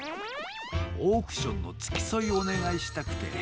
オークションのつきそいおねがいしたくてね。